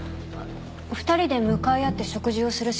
２人で向かい合って食事をする席ですね。